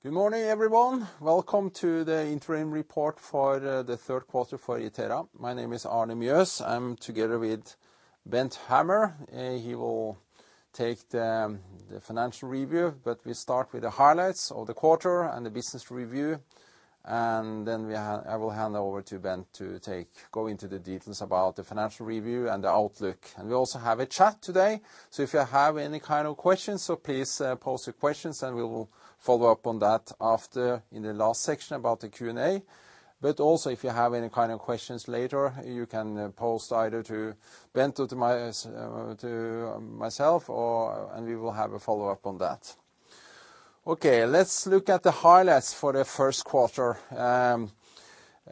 Good morning, everyone. Welcome to the interim report for the third quarter for Itera. My name is Arne Mjøs. I'm together with Bent Hammer. He will take the financial review, but we start with the highlights of the quarter and the business review, and then I will hand over to Bent to go into the details about the financial review and the outlook. And we also have a chat today, so if you have any kind of questions, so please post your questions, and we will follow up on that after, in the last section about the Q&A. But also, if you have any kind of questions later, you can post either to Bent or to myself or and we will have a follow-up on that. Okay, let's look at the highlights for the first quarter.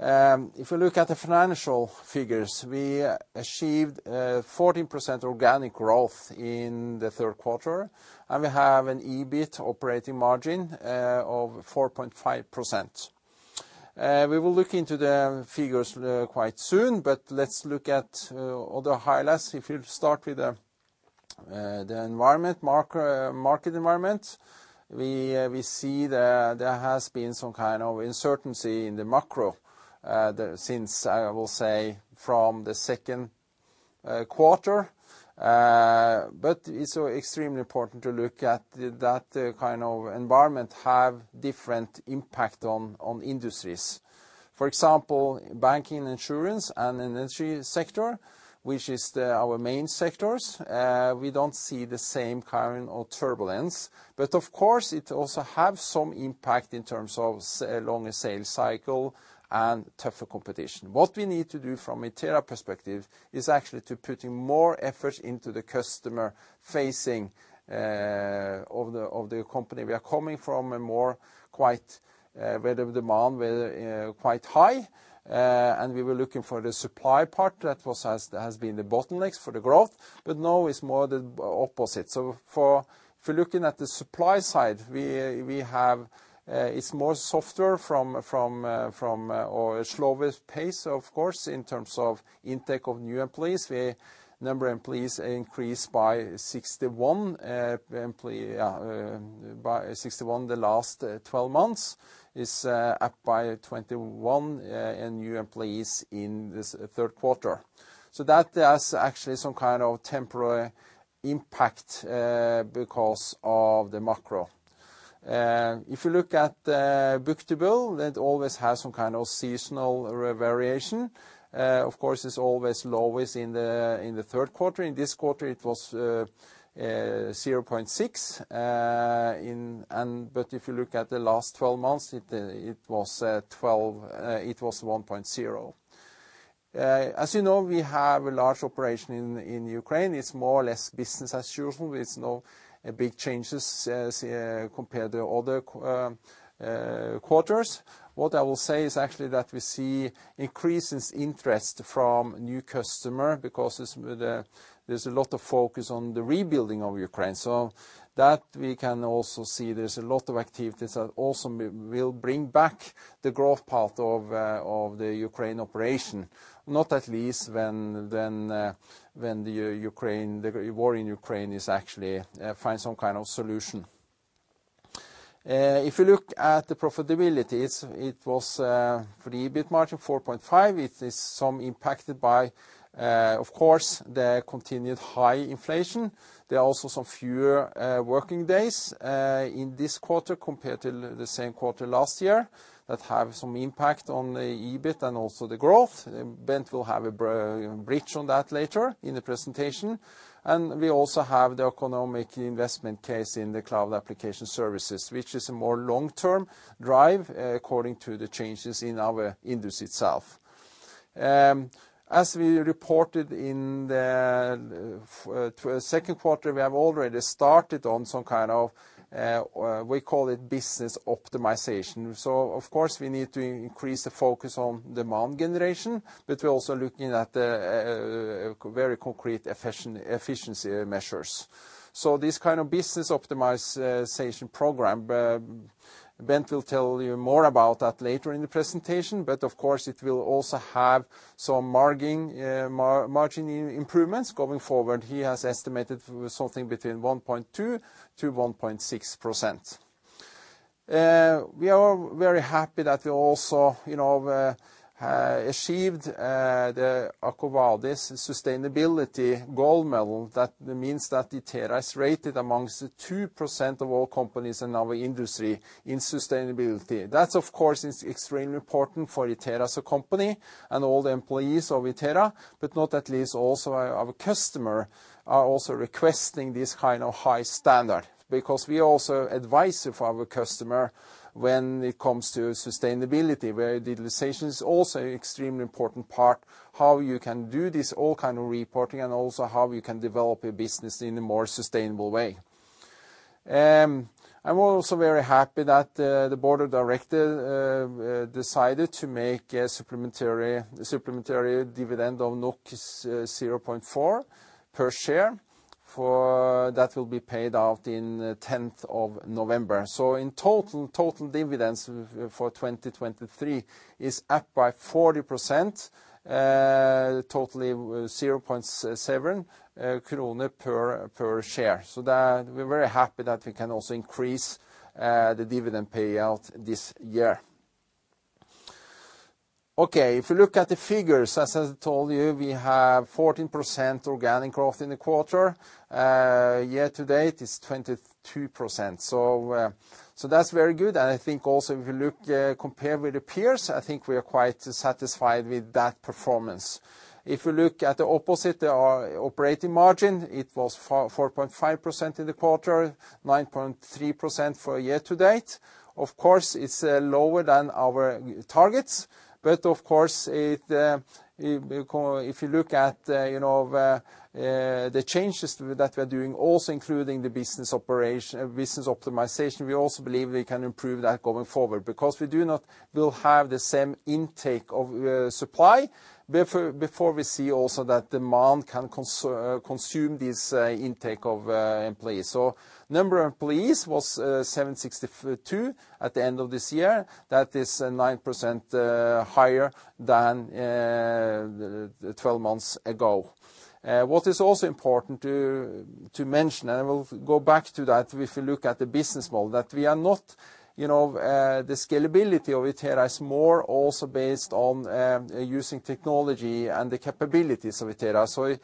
If you look at the financial figures, we achieved 14% organic growth in the third quarter, and we have an EBIT operating margin of 4.5%. We will look into the figures quite soon, but let's look at other highlights. If you start with the market environment, we see that there has been some kind of uncertainty in the macro since, I will say, from the second quarter. But it's extremely important to look at that kind of environment have different impact on industries. For example, banking, insurance, and energy sector, which is our main sectors, we don't see the same current of turbulence, but of course, it also have some impact in terms of longer sales cycle and tougher competition. What we need to do from Itera perspective is actually to putting more effort into the customer-facing of the company. We are coming from a more quite, where the demand were quite high, and we were looking for the supply part that was has, has been the bottlenecks for the growth, but now it's more the opposite. For looking at the supply side, we have, it's more softer from, from, or slower pace, of course, in terms of intake of new employees. We- number employees increased by 61 employees by 61 the last 12 months. It's up by 21 in new employees in this third quarter. That has actually some kind of temporary impact, because of the macro. If you look at the book-to-bill, that always has some kind of seasonal variation. Of course, it's always lowest in the third quarter. In this quarter, it was 0.6. But if you look at the last 12 months, it was 1.0. As you know, we have a large operation in Ukraine. It's more or less business as usual. It's no big changes as compared to other quarters. What I will say is actually that we see increased interest from new customer because there's a lot of focus on the rebuilding of Ukraine. So that we can also see there's a lot of activities that also will bring back the growth part of the Ukraine operation, not least when the war in Ukraine is actually find some kind of solution. If you look at the profitabilities, it was for the EBIT margin, 4.5%. It is some impacted by, of course, the continued high inflation. There are also some fewer working days in this quarter compared to the same quarter last year, that have some impact on the EBIT and also the growth. Bent will have a bridge on that later in the presentation. And we also have the economic investment case in the cloud application services, which is a more long-term drive, according to the changes in our industry itself. As we reported in the second quarter, we have already started on some kind of, we call it business optimization. So of course, we need to increase the focus on demand generation, but we're also looking at the very concrete efficiency measures. So this kind of business optimization program, Bent will tell you more about that later in the presentation, but of course, it will also have some margin improvements going forward. He has estimated something between 1.2%-1.6%. We are very happy that we also, you know, achieved the EcoVadis Sustainability Gold Medal. That means that Itera is rated amongst the 2% of all companies in our industry in sustainability. That, of course, is extremely important for Itera as a company and all the employees of Itera, but not at least also our customer, are also requesting this kind of high standard, because we also advise for our customer when it comes to sustainability, where digitalization is also an extremely important part, how you can do this, all kind of reporting, and also how you can develop your business in a more sustainable way. And we're also very happy that the board of directors decided to make a supplementary, supplementary dividend of 0.4 per share, for that will be paid out in the 10th of November. So in total, total dividends for 2023 is up by 40%, totally 0.7 kroner per, per share. We're very happy that we can also increase the dividend payout this year. Okay, if you look at the figures, as I told you, we have 14% organic growth in the quarter. Year-to-date is 22%. So that's very good, and I think also if you look, compare with the peers, I think we are quite satisfied with that performance. If you look at the opposite, our operating margin, it was 4.5% in the quarter, 9.3% for year-to-date. Of course, it's lower than our targets, but of course, if you look at, you know, the changes that we are doing, also including the business optimization, we also believe we can improve that going forward. Because we will have the same intake of supply before we see also that demand can consume this intake of employees. So number of employees was 762 at the end of this year. That is 9% higher than the 12 months ago. What is also important to mention, and I will go back to that if you look at the business model, that we are not, you know, the scalability of Itera is more also based on using technology and the capabilities of Itera. So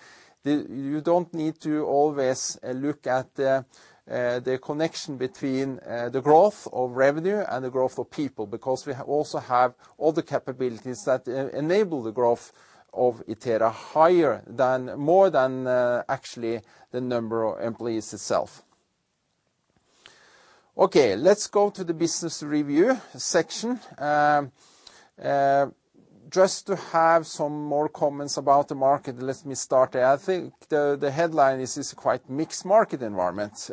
you don't need to always look at the connection between the growth of revenue and the growth of people, because we also have all the capabilities that enable the growth of Itera higher than, more than, actually the number of employees itself. Okay, let's go to the business review section. Just to have some more comments about the market, let me start there. I think the headline is quite mixed market environment.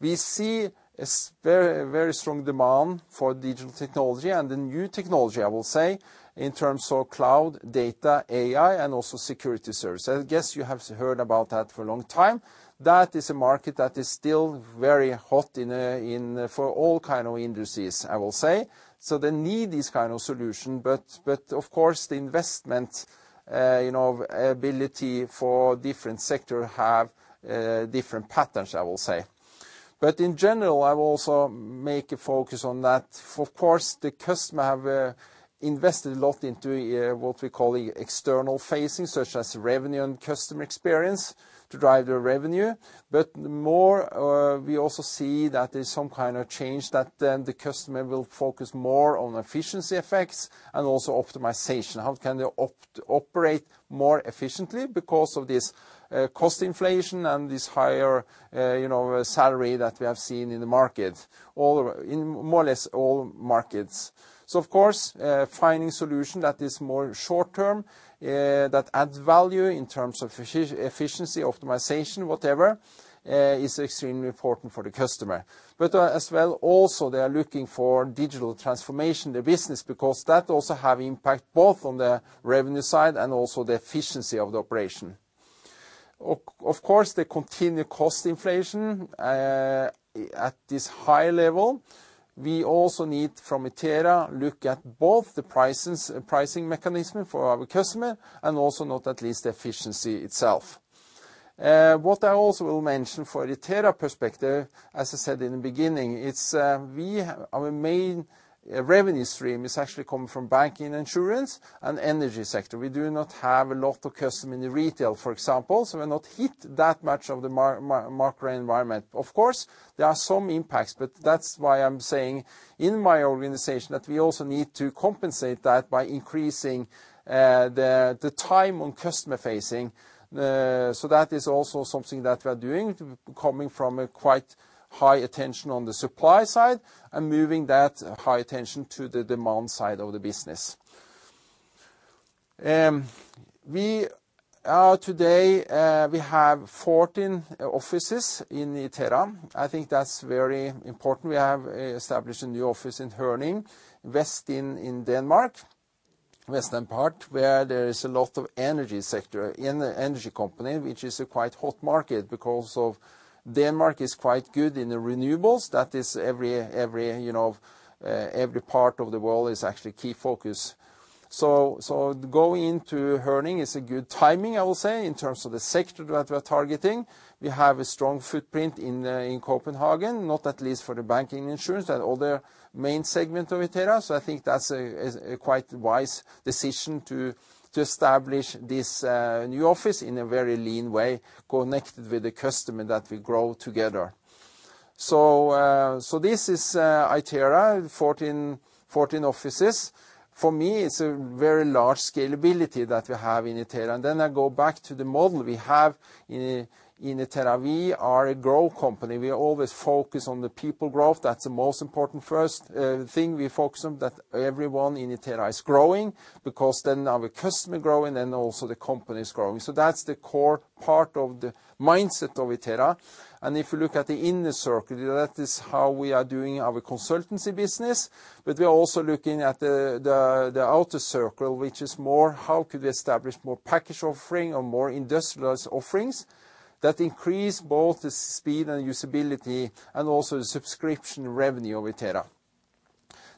We see a very, very strong demand for digital technology and the new technology, I will say, in terms of cloud, data, AI, and also security services. I guess you have heard about that for a long time. That is a market that is still very hot in for all kind of industries, I will say. So they need this kind of solution, but of course, the investment, you know, ability for different sector have different patterns, I will say. But in general, I will also make a focus on that. Of course, the customer have invested a lot into what we call the external facing, such as revenue and customer experience, to drive their revenue. But more, we also see that there's some kind of change that then the customer will focus more on efficiency effects and also optimization. How can they operate more efficiently because of this cost inflation and this higher, you know, salary that we have seen in the market, all in more or less all markets? So of course, finding solution that is more short-term, that adds value in terms of efficiency, optimization, whatever, is extremely important for the customer. But, as well, also, they are looking for digital transformation in their business, because that also have impact both on the revenue side and also the efficiency of the operation. Of course, the continued cost inflation, at this high level, we also need from Itera look at both the prices, pricing mechanism for our customer and also not at least the efficiency itself. What I also will mention for Itera perspective, as I said in the beginning, it's, we, our main revenue stream is actually coming from banking, insurance, and energy sector. We do not have a lot of customer in the retail, for example, so we're not hit that much of the market environment. Of course, there are some impacts, but that's why I'm saying in my organization that we also need to compensate that by increasing the time on customer-facing. So that is also something that we are doing, coming from a quite high attention on the supply side and moving that high attention to the demand side of the business. Today we have 14 offices in Itera. I think that's very important. We have established a new office in Herning, west in Denmark, western part, where there is a lot of energy sector, in energy company, which is a quite hot market because of Denmark is quite good in the renewables. That is every, every, you know, every part of the world is actually key focus. Going into Herning is good timing, I will say, in terms of the sector that we are targeting. We have a strong footprint in Copenhagen, not at least for the banking, insurance, and other main segment of Itera, so I think that is a quite wise decision to establish this new office in a very lean way, connected with the customer that we grow together. This is Itera, 14 offices. For me, it's a very large scalability that we have in Itera. I go back to the model we have in Itera. We are a growth company. We always focus on the people growth. That's the most important first thing. We focus on that everyone in Itera is growing, because then our customer is growing, and then also the company is growing. So that's the core part of the mindset of Itera. If you look at the inner circle, that is how we are doing our consultancy business. We are also looking at the outer circle, which is more how could we establish more package offering or more industrialized offerings that increase both the speed and usability and also the subscription revenue of Itera?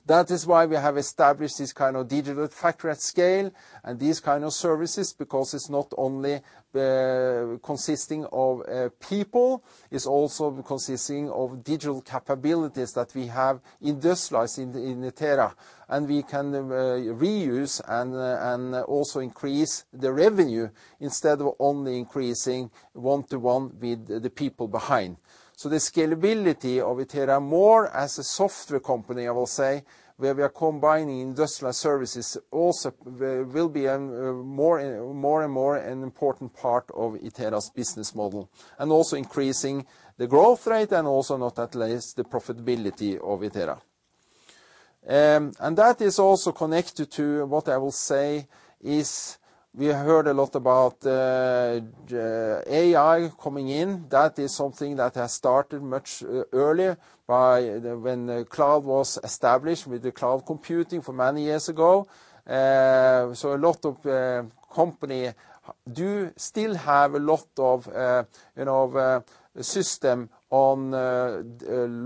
That is why we have established this kind of Digital Factory at Scale and these kind of services, because it's not only consisting of people, it's also consisting of digital capabilities that we have industrialized in Itera, and we can reuse and also increase the revenue instead of only increasing one to one with the people behind. So the scalability of Itera more as a software company, I will say, where we are combining industrial services also, will be an more and more an important part of Itera's business model, and also increasing the growth rate and also, not least, the profitability of Itera. And that is also connected to what I will say is we heard a lot about AI coming in. That is something that has started much earlier when the cloud was established with the cloud computing for many years ago. So a lot of company do still have a lot of, you know, system on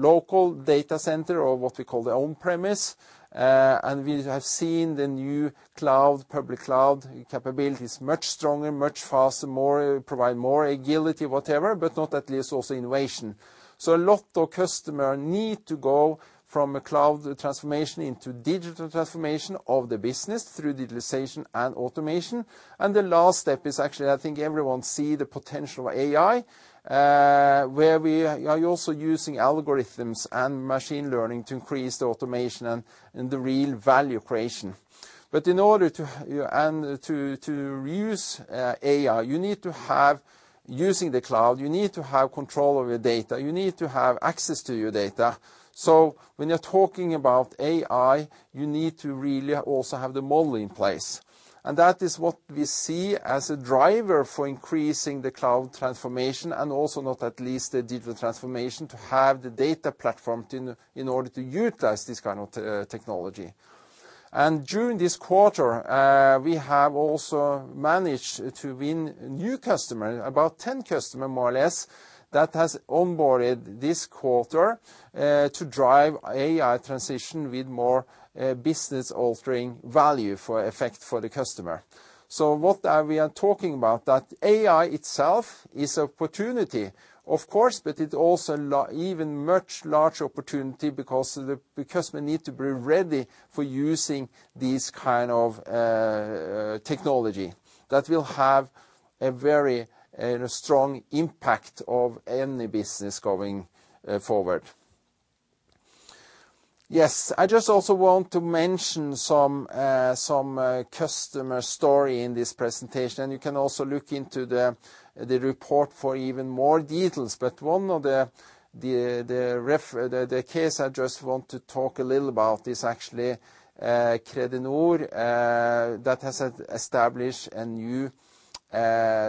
local data center or what we call their own premise. And we have seen the new cloud, public cloud capabilities, much stronger, much faster, more, provide more agility, whatever, but not least also innovation. So a lot of customer need to go from a cloud transformation into digital transformation of the business through digitalization and automation. And the last step is actually, I think everyone see the potential of AI, where we are also using algorithms and machine learning to increase the automation and the real value creation. But in order to use AI, you need to have... Using the cloud, you need to have control over your data. You need to have access to your data. So when you're talking about AI, you need to really also have the model in place, and that is what we see as a driver for increasing the cloud transformation and also, not least, the digital transformation, to have the data platform in order to utilize this kind of technology. And during this quarter, we have also managed to win new customers, about 10 customers, more or less, that has onboarded this quarter, to drive AI transition with more business-altering value for effect for the customer. So what we are talking about? That AI itself is opportunity, of course, but it's also even much larger opportunity because the customer need to be ready for using these kind of technology that will have a very strong impact of any business going forward. Yes, I just also want to mention some customer story in this presentation, and you can also look into the report for even more details. But one of the case I just want to talk a little about is actually Kredinor that has established a new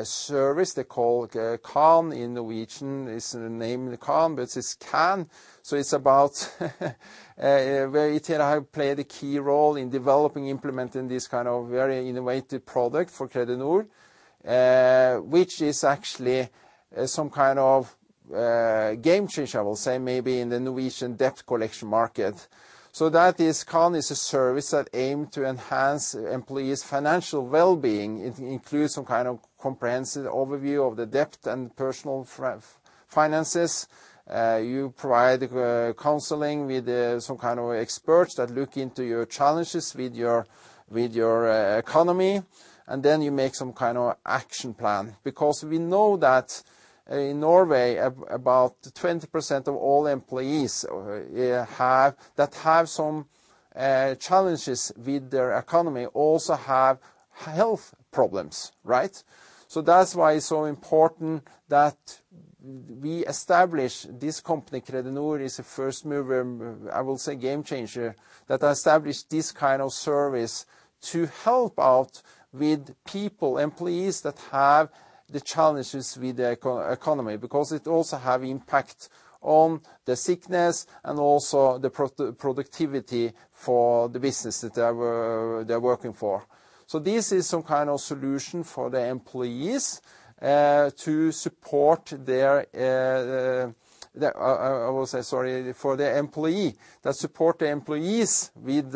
service they call Kan in Norwegian. It's named Kan, but it's Kan. So it's about where Itera played a key role in developing, implementing this kind of very innovative product for Kredinor, which is actually some kind of game changer, I will say, maybe in the Norwegian debt collection market. So that is, Kan is a service that aim to enhance employees' financial well-being. It includes some kind of comprehensive overview of the debt and personal finances. You provide counseling with some kind of experts that look into your challenges with your economy, and then you make some kind of action plan, because we know that in Norway, about 20% of all employees that have some challenges with their economy also have health problems, right? So that's why it's so important that we establish this company, Kredinor, is a first mover, I will say game changer, that established this kind of service to help out with people, employees, that have the challenges with their economy, because it also have impact on the sickness and also the productivity for the business that they're working for. This is some kind of solution for the employees, to support their, the, I will say, sorry, for the employee, that support the employees with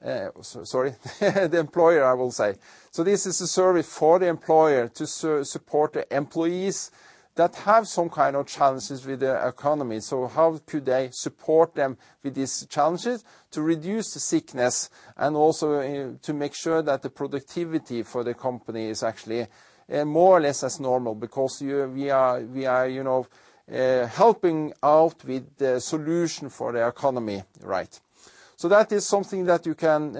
the, sorry, the employer, I will say. This is a service for the employer to support the employees that have some kind of challenges with their economy. How could they support them with these challenges? To reduce the sickness and also to make sure that the productivity for the company is actually more or less as normal, because you- we are, we are, you know, helping out with the solution for their economy, right? That is something that you can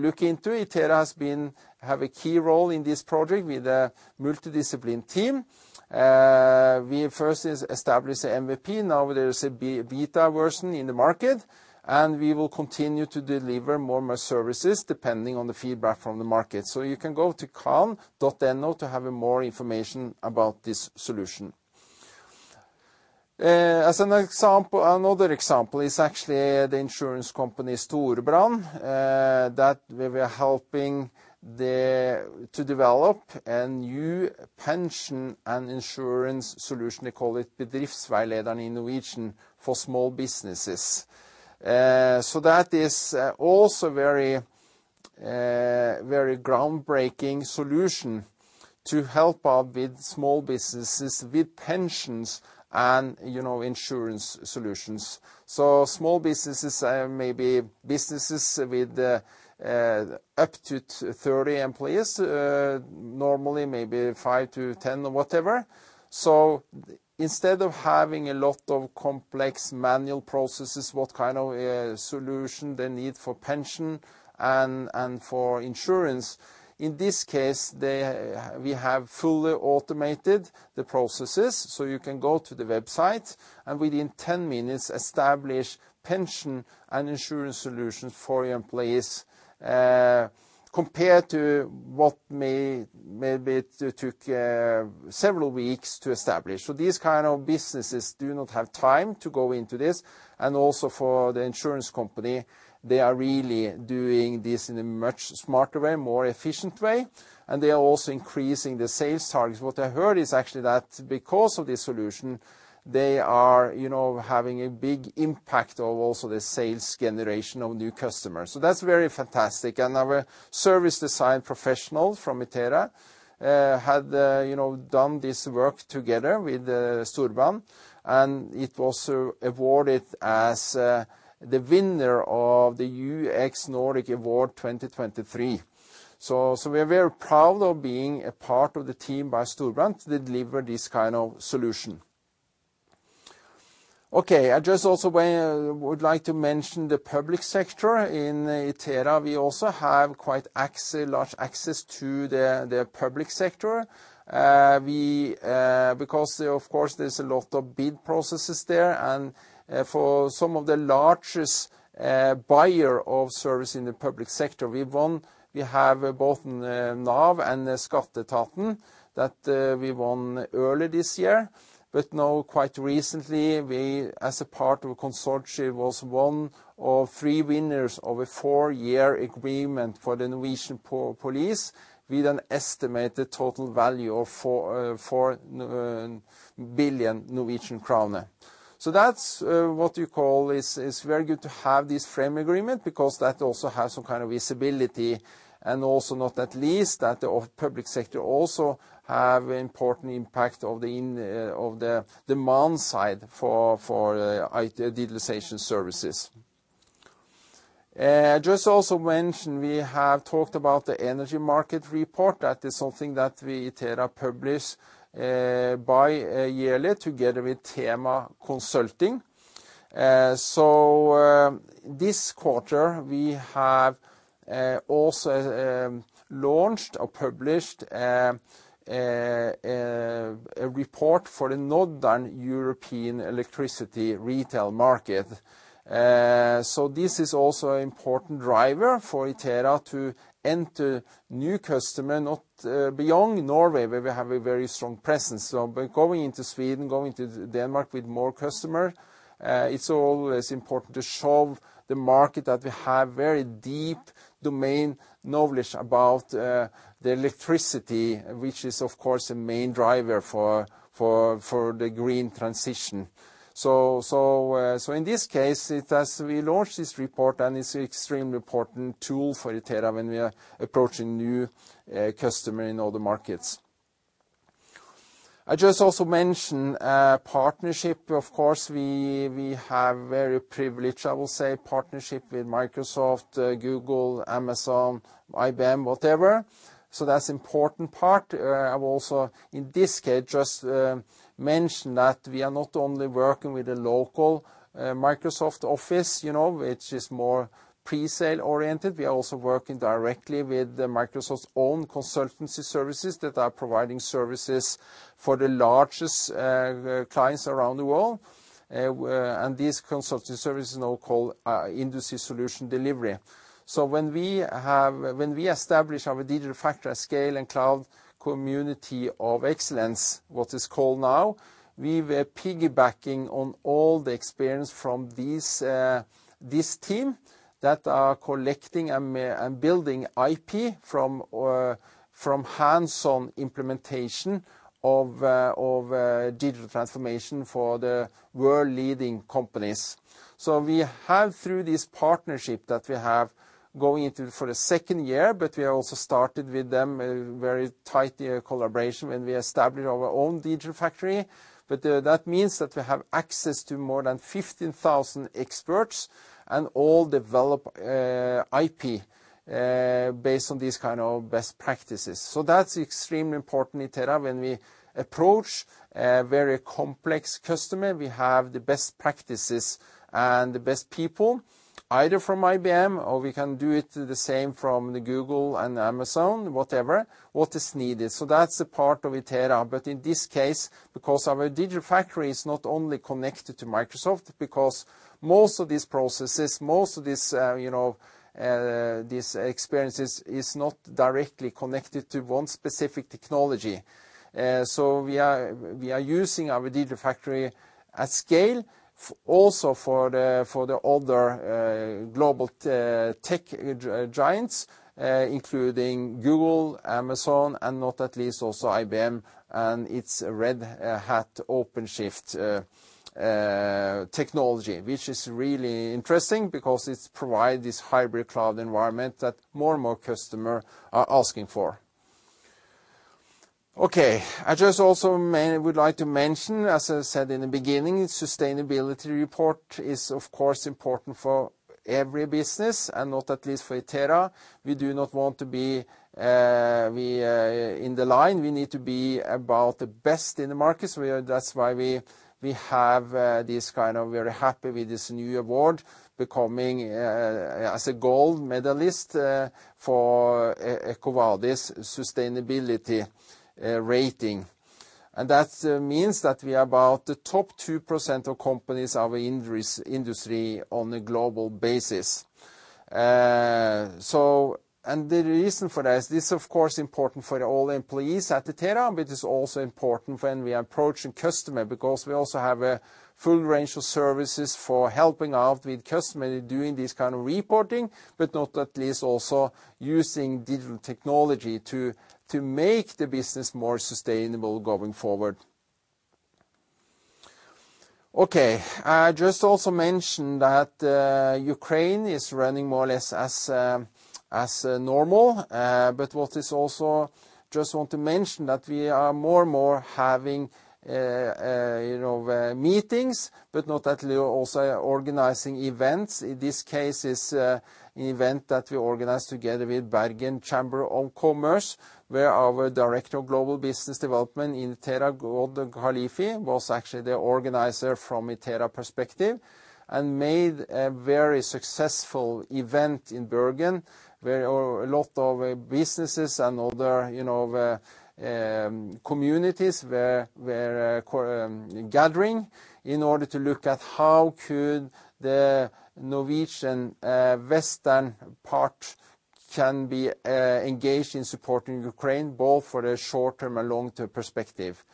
look into. Itera has been- have a key role in this project with a multidiscipline team. We first is establish a MVP. Now there is a beta version in the market, and we will continue to deliver more and more services, depending on the feedback from the market. So you can go to kan.no to have a more information about this solution. As an example, another example is actually the insurance company, Storebrand, that we were helping to develop a new pension and insurance solution. They call it Bedriftsveilederen in Norwegian for small businesses. So that is also very groundbreaking solution to help out with small businesses, with pensions and, you know, insurance solutions. So small businesses may be businesses with up to 30 employees, normally maybe 5-10 or whatever. So instead of having a lot of complex manual processes, what kind of solution they need for pension and, and for insurance, in this case, we have fully automated the processes. So you can go to the website, and within 10 minutes, establish pension and insurance solutions for your employees, compared to what maybe took several weeks to establish. So these kind of businesses do not have time to go into this, and also for the insurance company, they are really doing this in a much smarter way, more efficient way, and they are also increasing the sales targets. What I heard is actually that because of this solution, they are, you know, having a big impact of also the sales generation of new customers. So that's very fantastic, and our service design professional from Itera, had, you know, done this work together with, Storebrand, and it was awarded as, the winner of the UX Nordic Award 2023. So, we're very proud of being a part of the team by Storebrand to deliver this kind of solution. Okay, I just also would like to mention the public sector. In Itera, we also have quite access, large access to the, the public sector. Because of course, there's a lot of bid processes there, and, for some of the largest, buyer of service in the public sector, we have both NAV and Skatteetaten that, we won early this year. But now, quite recently, we as a part of a consortium, was one of 3 winners of a 4-year agreement for the Norwegian police with an estimated total value of 4 billion Norwegian kroner. So that's what you call is very good to have this frame agreement, because that also has some kind of visibility, and also not at least, that the public sector also have important impact of the demand side for IT utilization services. Just also mention, we have talked about the energy market report. That is something that we, Itera, publish bi-yearly together with THEMA Consulting. So, this quarter, we have also launched or published a report for the Northern European electricity retail market. So this is also an important driver for Itera to enter new customer, not beyond Norway, where we have a very strong presence, so but going into Sweden, going to Denmark with more customer, it's always important to show the market that we have very deep domain knowledge about the electricity, which is, of course, a main driver for the green transition. So in this case, it as we launch this report, and it's an extremely important tool for Itera when we are approaching new customer in other markets. I just also mention partnership. Of course, we have very privileged, I will say, partnership with Microsoft, Google, Amazon, IBM, whatever, so that's important part. I will also, in this case, just, mention that we are not only working with the local, Microsoft office, you know, which is more pre-sale oriented. We are also working directly with the Microsoft's own consultancy services that are providing services for the largest, clients around the world, and these consultancy services now called, Industry Solutions Delivery. So when we establish our digital factory scale and Cloud Community of Excellence, what is called now, we were piggybacking on all the experience from these, this team that are collecting and building IP from, from hands-on implementation of, of, digital transformation for the world-leading companies. So we have through this partnership that we have going into for the second year, but we also started with them a very tight, collaboration when we established our own digital factory. But that means that we have access to more than 15,000 experts and all develop IP based on these kind of best practices. So that's extremely important in Itera when we approach a very complex customer, we have the best practices and the best people, either from IBM, or we can do it the same from the Google and Amazon, whatever, what is needed. So that's a part of Itera, but in this case, because our digital factory is not only connected to Microsoft, because most of these processes, most of these, you know, these experiences, is not directly connected to one specific technology. So we are using our Digital Factory at Scale also for the other global tech giants, including Google, Amazon, and not least also IBM and its Red Hat OpenShift technology, which is really interesting because it provide this hybrid cloud environment that more and more customer are asking for. Okay, I would also like to mention, as I said in the beginning, sustainability report is, of course, important for every business, and not least for Itera. We do not want to be in line. We need to be about the best in the market, so that's why we have this kind of. We are happy with this new award, becoming a gold medalist for EcoVadis Sustainability Rating. And that means that we are about the top 2% of companies of our industry on a global basis. So, and the reason for that is this, of course, important for all the employees at Itera, but it's also important when we are approaching customer because we also have a full range of services for helping out with customer doing this kind of reporting, but not least also using digital technology to make the business more sustainable going forward. Okay, I just also mentioned that, Ukraine is running more or less as normal. But what is also just want to mention that we are more and more having, you know, meetings, but not that we are also organizing events. In this case, is an event that we organized together with Bergen Chamber of Commerce, where our director of global business development in Itera, Goudé Khalifé, was actually the organizer from Itera perspective, and made a very successful event in Bergen, where a lot of businesses and other, you know, communities were gathering in order to look at how the Norwegian western part can be engaged in supporting Ukraine, both for the short-term and long-term perspective.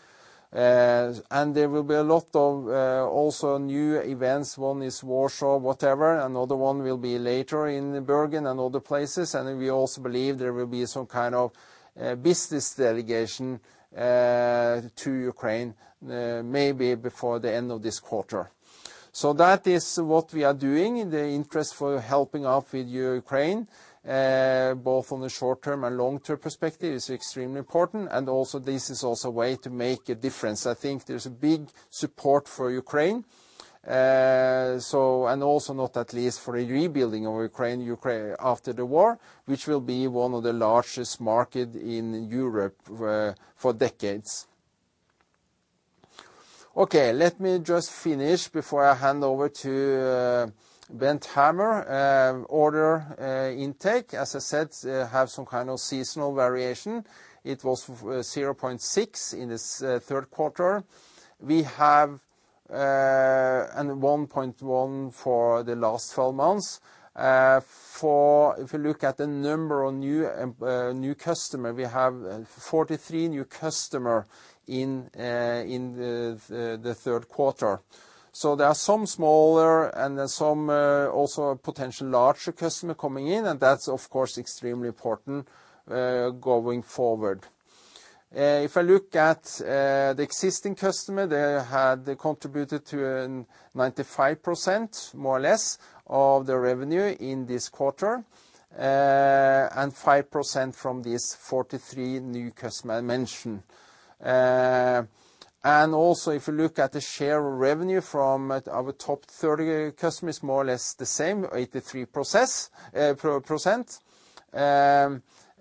And there will be a lot of also new events. One is Warsaw, whatever, another one will be later in Bergen and other places. And we also believe there will be some kind of business delegation to Ukraine, maybe before the end of this quarter. So that is what we are doing in the interest for helping out with Ukraine, both on the short term and long-term perspective. It's extremely important, and also, this is also a way to make a difference. I think there's a big support for Ukraine, so... And also, not at least for the rebuilding of Ukraine, Ukraine after the war, which will be one of the largest market in Europe, for decades. Okay, let me just finish before I hand over to Bent Hammer. Order intake, as I said, have some kind of seasonal variation. It was 0.6 in this third quarter. We have and 1.1 for the last twelve months. If you look at the number of new customers, we have 43 new customers in the third quarter. So there are some smaller and then some also potential larger customers coming in, and that's, of course, extremely important going forward. If I look at the existing customers, they had contributed to an 95%, more or less, of the revenue in this quarter, and 5% from these 43 new customers I mentioned. And also, if you look at the share of revenue from our top 30 customers, more or less the same, 83 percent.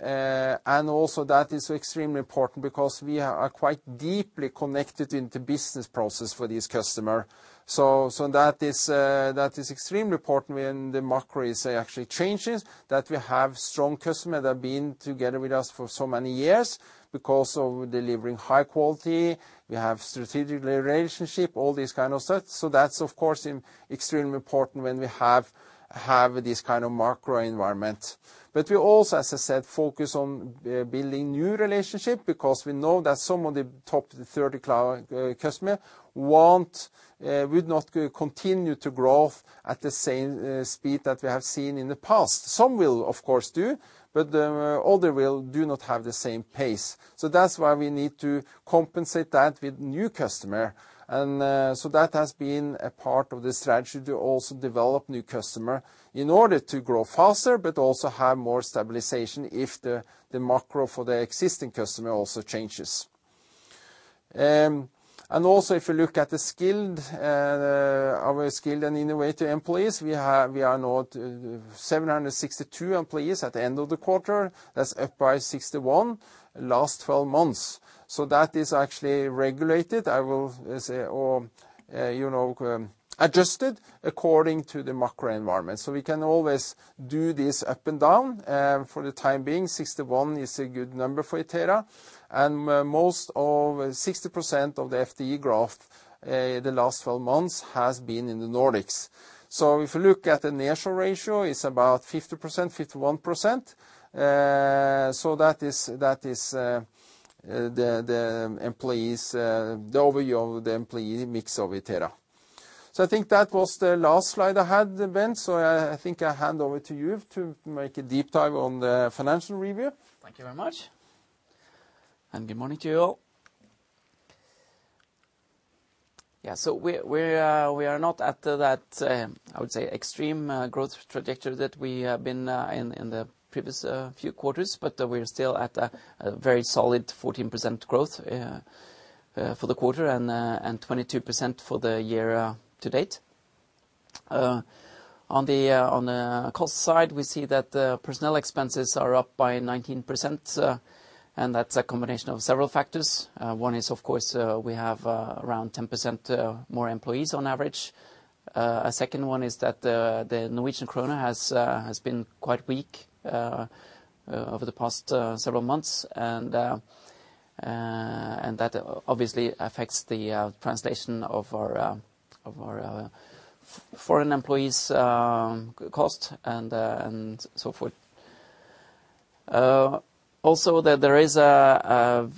And also that is extremely important because we are quite deeply connected into business process for this customer. So, so that is, that is extremely important when the macro is actually changing, that we have strong customer that have been together with us for so many years because of delivering high quality, we have strategic relationship, all these kind of stuff. So that's, of course, extremely important when we have this kind of macro environment. But we also, as I said, focus on building new relationship because we know that some of the top thirty cloud customer would not continue to grow at the same speed that we have seen in the past. Some will, of course, do, but other will do not have the same pace. So that's why we need to compensate that with new customer, and so that has been a part of the strategy to also develop new customer in order to grow faster, but also have more stabilization if the macro for the existing customer also changes. And also, if you look at our skilled and innovative employees, we are now 762 employees at the end of the quarter. That's up by 61 last 12 months. So that is actually regulated. I will say, or you know, adjusted according to the macro environment. So we can always do this up and down. For the time being, 61 is a good number for Itera, and most of 60% of the FTE growth the last 12 months has been in the Nordics. So if you look at the national ratio, it's about 50%, 51%. So that is the overview of the employee mix of Itera. So I think that was the last slide I had, Bent, so I think I hand over to you to make a deep dive on the financial review. Thank you very much, and good morning to you all. Yeah, so we are not at that, I would say, extreme growth trajectory that we have been in the previous few quarters, but we're still at a very solid 14% growth for the quarter and 22% for the year to date. On the cost side, we see that the personnel expenses are up by 19%, and that's a combination of several factors. One is, of course, we have around 10% more employees on average. A second one is that the Norwegian kroner has been quite weak over the past several months and that obviously affects the translation of our foreign employees' cost and so forth. Also, there is a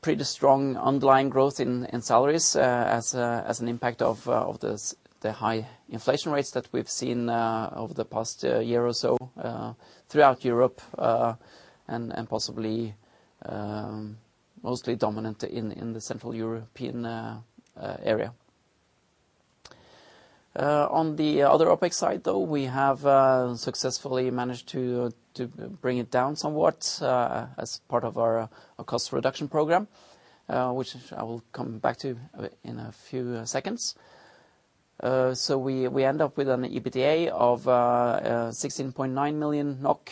pretty strong underlying growth in salaries as an impact of the high inflation rates that we've seen over the past year or so throughout Europe and possibly mostly dominant in the Central European area. On the other OpEx side, though, we have successfully managed to bring it down somewhat as part of our cost reduction program, which I will come back to in a few seconds. So we end up with an EBITDA of 16.9 million NOK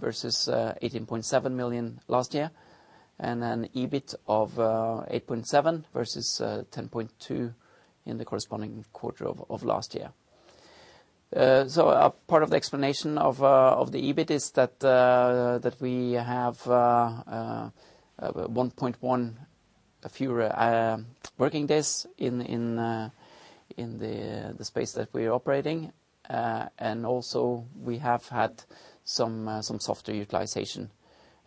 versus 18.7 million last year, and an EBIT of 8.7 million versus 10.2 million in the corresponding quarter of last year. So a part of the explanation of the EBIT is that we have 1.1 fewer working days in the space that we're operating. And also we have had some softer utilization.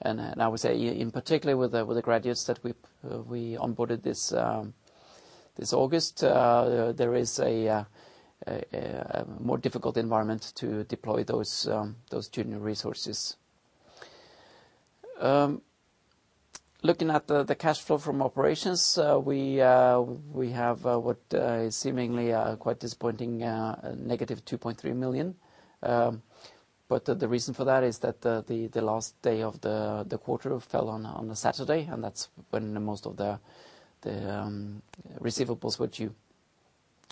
And I would say in particular, with the graduates that we onboarded this August, there is a more difficult environment to deploy those junior resources. Looking at the cash flow from operations, we have what is seemingly quite disappointing, negative 2.3 million. But the reason for that is that the last day of the quarter fell on a Saturday, and that's when most of the receivables were due.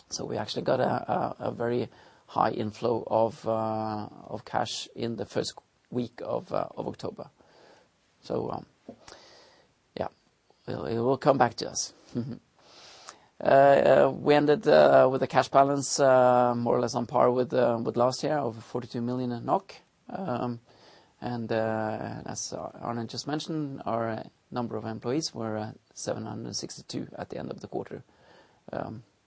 So we actually got a very high inflow of cash in the first week of October. So, yeah, it will come back to us. We ended with a cash balance more or less on par with last year, over 42 million NOK. And, as Arne just mentioned, our number of employees were at 762 at the end of the quarter,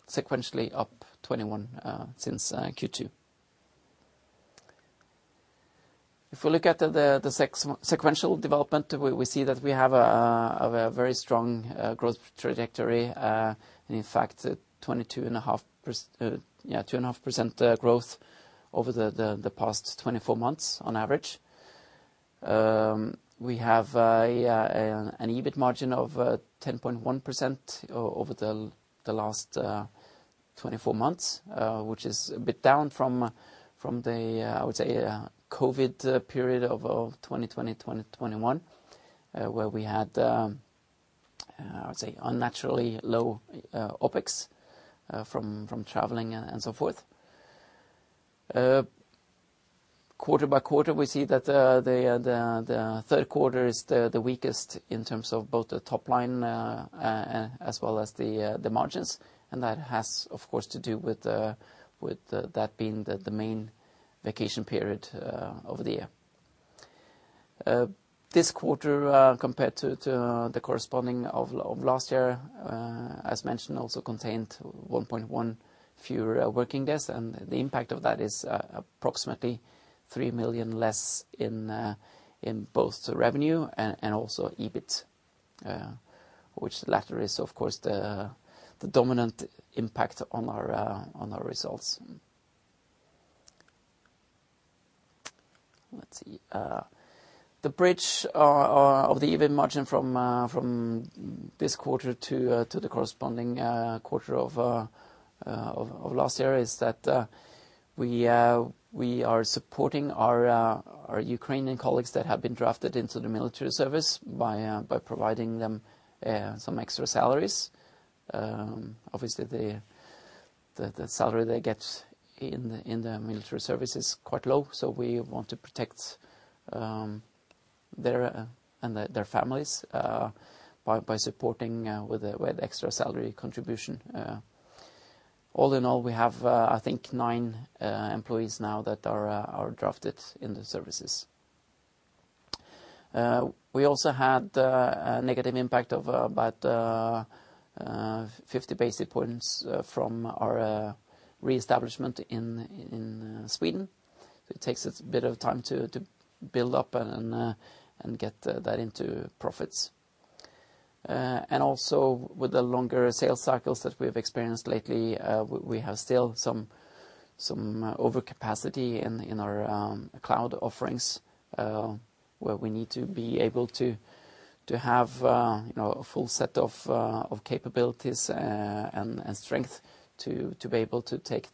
sequentially up 21 since Q2. If we look at the sequential development, we see that we have a very strong growth trajectory, and in fact, 2.5% growth over the past 24 months on average. We have an EBIT margin of 10.1% over the last 24 months, which is a bit down from the I would say COVID period of 2020, 2021, where we had I would say unnaturally low OpEx from traveling and so forth. Quarter by quarter, we see that the third quarter is the weakest in terms of both the top line as well as the margins, and that has, of course, to do with that being the main vacation period of the year. This quarter, compared to the corresponding of last year, as mentioned, also contained 1.1 fewer working days, and the impact of that is approximately 3 million less in both the revenue and also EBIT, which the latter is, of course, the dominant impact on our results. Let's see, the bridge of the EBIT margin from this quarter to the corresponding quarter of last year is that we are supporting our Ukrainian colleagues that have been drafted into the military service by providing them some extra salaries. Obviously, the salary they get in the military service is quite low, so we want to protect their and their families by supporting with a extra salary contribution. All in all, we have, I think, nine employees now that are drafted in the services. We also had a negative impact of about 50 basis points from our reestablishment in Sweden. It takes a bit of time to build up and get that into profits. And also, with the longer sales cycles that we've experienced lately, we have still some overcapacity in our cloud offerings, where we need to be able to have, you know, a full set of capabilities and strength to be able to take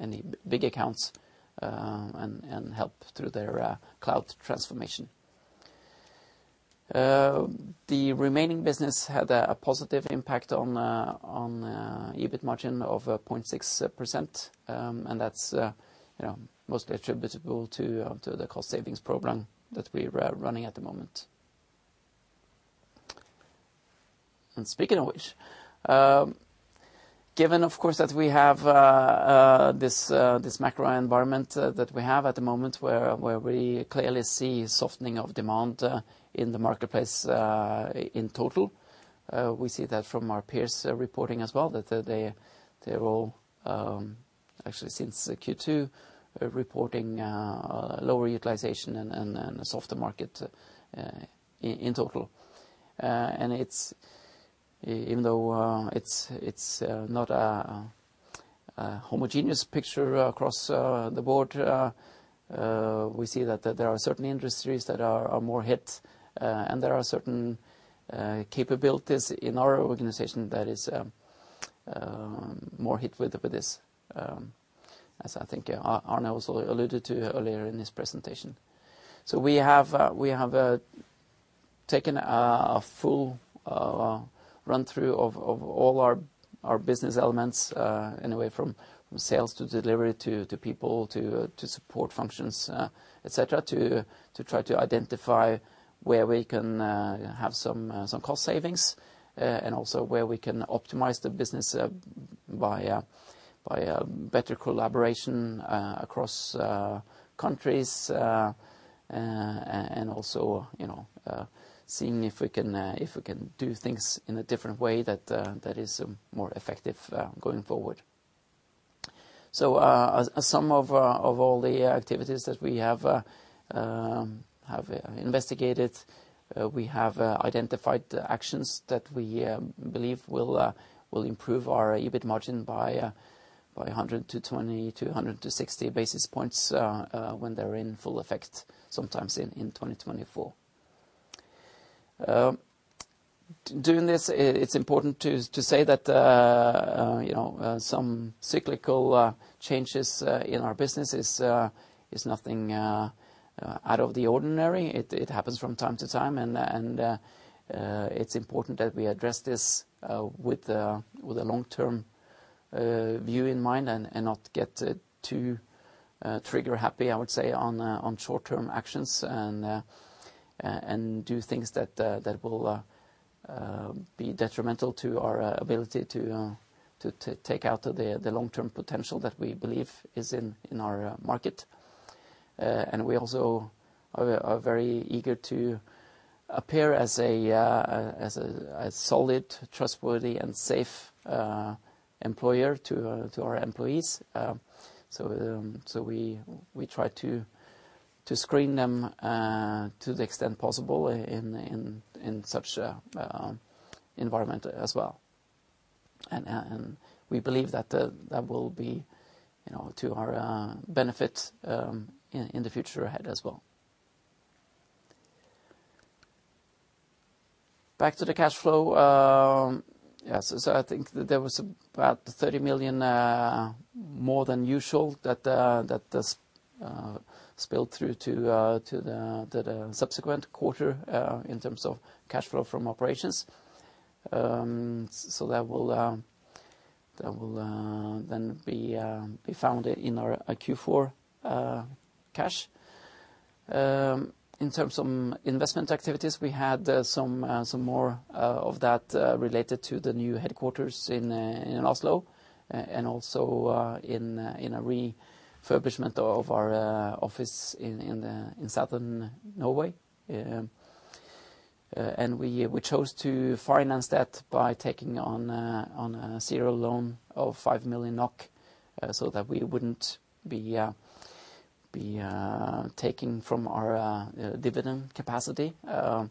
any big accounts, and help through their cloud transformation. The remaining business had a positive impact on EBIT margin of 0.6%. And that's, you know, mostly attributable to the cost savings program that we are running at the moment. And speaking of which, given of course that we have this macro environment that we have at the moment, where we clearly see softening of demand in the marketplace in total. We see that from our peers reporting as well, that they're all actually since Q2 are reporting lower utilization and a softer market in total. And it's even though it's not a homogeneous picture across the board, we see that there are certain industries that are more hit, and there are certain capabilities in our organization that is more hit with this, as I think Arne also alluded to earlier in his presentation. So we have taken a full run-through of all our business elements anyway, from sales to delivery, to people, to support functions, et cetera, to try to identify where we can have some cost savings, and also where we can optimize the business by better collaboration across countries, and also, you know, seeing if we can do things in a different way that is more effective going forward. As some of all the activities that we have investigated, we have identified actions that we believe will improve our EBIT margin by 100-120, to 100-160 basis points when they're in full effect, sometime in 2024. Doing this, it's important to say that, you know, some cyclical changes in our business is nothing out of the ordinary. It happens from time to time, and it's important that we address this with a long-term view in mind and not get too trigger happy, I would say, on short-term actions, and do things that will be detrimental to our ability to take out the long-term potential that we believe is in our market. And we also are very eager to appear as a solid, trustworthy, and safe employer to our employees. So we try to screen them to the extent possible in such an environment as well. We believe that that will be, you know, to our benefit in the future ahead as well. Back to the cash flow. Yes, so I think that there was about 30 million more than usual that spilled through to the subsequent quarter in terms of cash flow from operations. So that will then be found in our Q4 cash. In terms of investment activities, we had some more of that related to the new headquarters in Oslo, and also in a refurbishment of our office in southern Norway. We chose to finance that by taking on a serial loan of 5 million NOK, so that we wouldn't be taking from our dividend capacity. The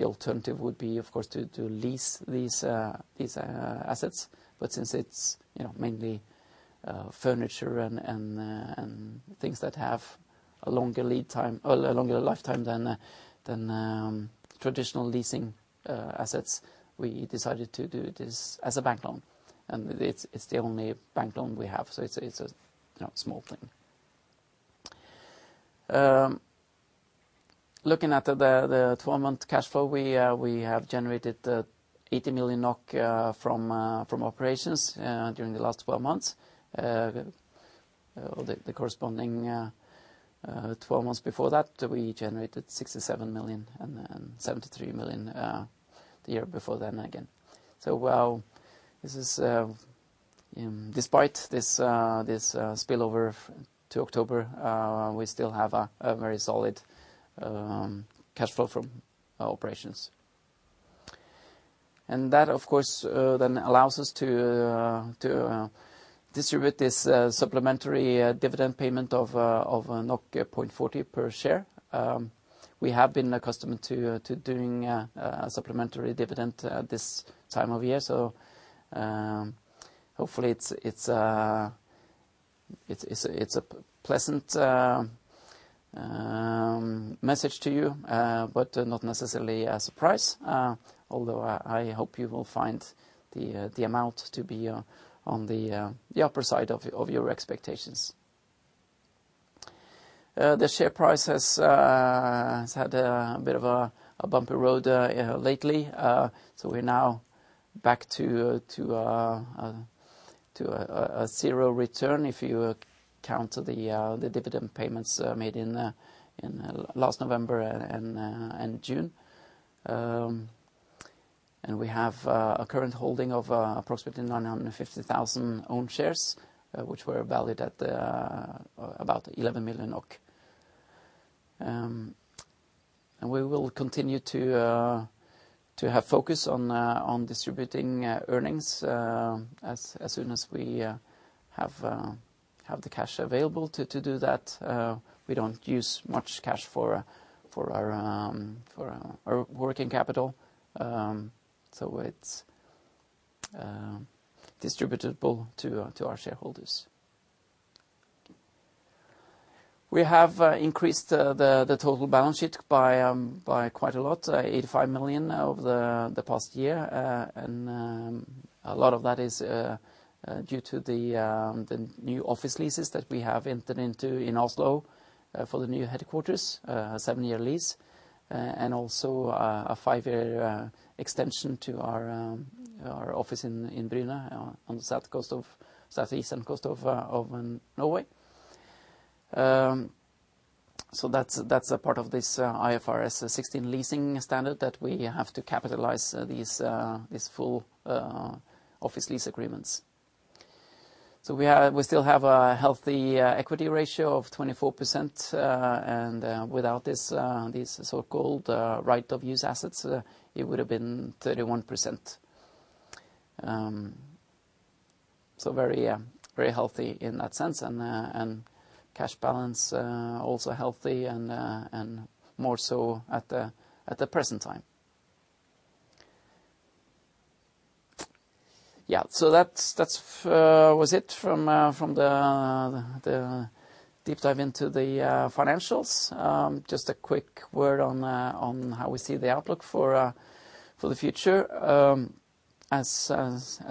alternative would be, of course, to lease these assets. But since it's, you know, mainly furniture and things that have a longer lead time, or a longer lifetime than traditional leasing assets, we decided to do this as a bank loan. It's the only bank loan we have, so it's a, you know, small thing. Looking at the 12-month cash flow, we have generated 80 million NOK from operations during the last 12 months. The corresponding twelve months before that, we generated 67 million, and then 73 million, the year before then again. So while this is despite this spillover to October, we still have a very solid cash flow from operations. And that, of course, then allows us to distribute this supplementary dividend payment of 0.40 per share—we have been accustomed to doing a supplementary dividend at this time of year. So, hopefully it's a pleasant message to you, but not necessarily a surprise. Although I hope you will find the amount to be on the upper side of your expectations. The share price has had a bit of a bumpy road lately. So we're now back to a zero return if you count the dividend payments made in last November and June. And we have a current holding of approximately 950,000 own shares, which were valued at about NOK 11 million. And we will continue to have focus on distributing earnings as soon as we have the cash available to do that. We don't use much cash for our working capital. So it's distributable to our shareholders. We have increased the total balance sheet by quite a lot, 85 million over the past year. And a lot of that is due to the new office leases that we have entered into in Oslo, for the new headquarters, seven-year lease, and also a five-year extension to our office in Bryne, on the southeastern coast of Norway. So that's a part of this IFRS 16 leasing standard that we have to capitalize these full office lease agreements. So we still have a healthy equity ratio of 24%, and without these so-called right of use assets, it would have been 31%. So very healthy in that sense, and cash balance also healthy, and more so at the present time. Yeah, so that's from the deep dive into the financials. Just a quick word on how we see the outlook for the future. As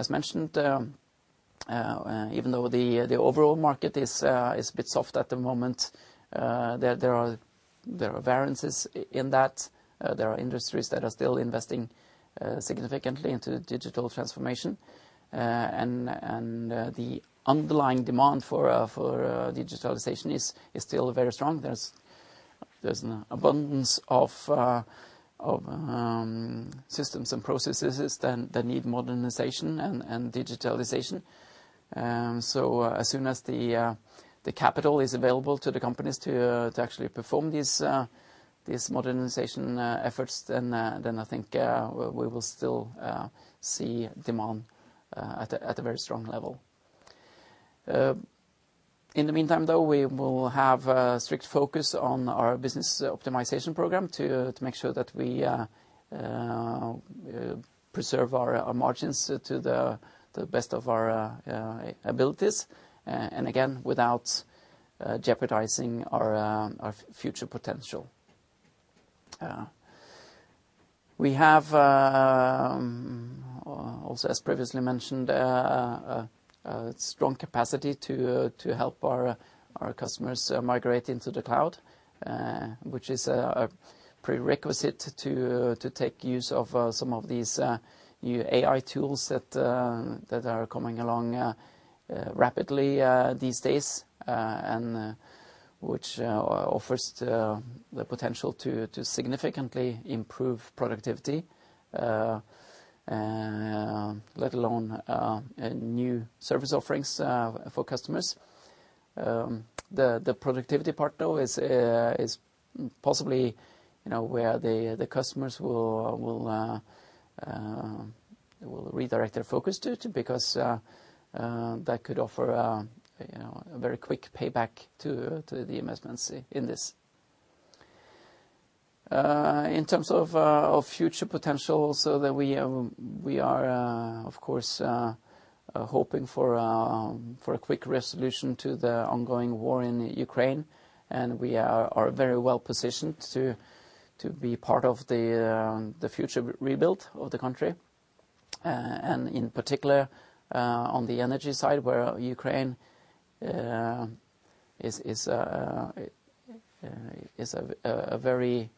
mentioned, even though the overall market is a bit soft at the moment, there are variances in that. There are industries that are still investing significantly into digital transformation, and the underlying demand for digitalization is still very strong. There's an abundance of systems and processes that need modernization and digitalization. So as soon as the capital is available to the companies to actually perform these modernization efforts, then I think we will still see demand at a very strong level. In the meantime, though, we will have a strict focus on our business optimization program to make sure that we preserve our margins to the best of our abilities, and again, without jeopardizing our future potential. We have also, as previously mentioned, a strong capacity to help our customers migrate into the cloud, which is a prerequisite to take use of some of these new AI tools that are coming along rapidly these days, and which offers the potential to significantly improve productivity, let alone new service offerings for customers. The productivity part, though, is possibly, you know, where the customers will redirect their focus to, because that could offer, you know, a very quick payback to the investments in this. In terms of future potential, we are, of course, hoping for a quick resolution to the ongoing war in Ukraine, and we are very well positioned to be part of the future rebuild of the country, and in particular, on the energy side, where Ukraine is a very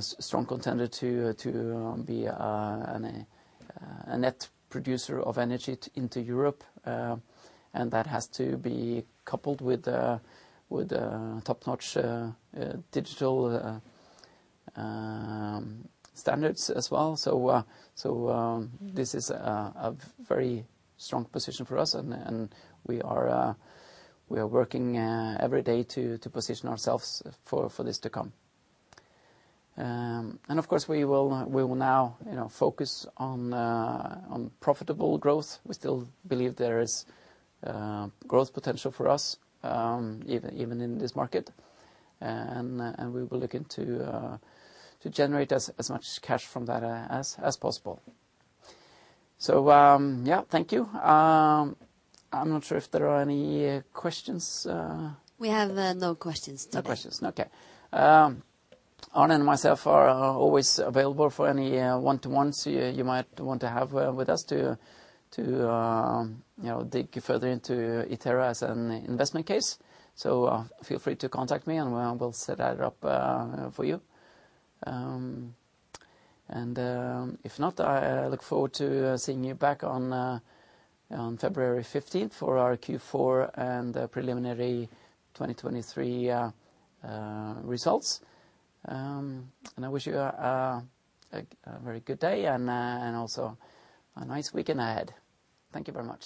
strong contender to be a net producer of energy into Europe, and that has to be coupled with a top-notch digital standards as well. So, this is a very strong position for us, and we are working every day to position ourselves for this to come. And, of course, we will now, you know, focus on profitable growth. We still believe there is growth potential for us, even in this market, and we will be looking to generate as much cash from that as possible. So, yeah, thank you. I'm not sure if there are any questions. We have no questions today. No questions. Okay. Arne and myself are always available for any one-to-ones you might want to have with us to, you know, dig further into Itera as an investment case. So, feel free to contact me, and I will set that up for you. If not, I look forward to seeing you back on February 15th for our Q4 and the preliminary 2023 results. I wish you a very good day and also a nice weekend ahead. Thank you very much.